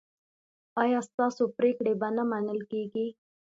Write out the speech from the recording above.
ایا ستاسو پریکړې به نه منل کیږي؟